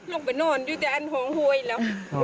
ลงไปนอนดูแต่อันห่องโหยแล้ว